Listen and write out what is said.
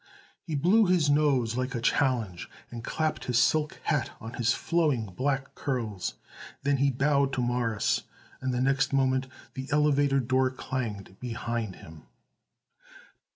He blew his nose like a challenge and clapped his silk hat on his flowing black curls. Then he bowed to Morris, and the next moment the elevator door clanged behind him.